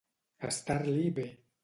Estar-li bé.